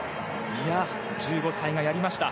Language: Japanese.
１５歳がやりました。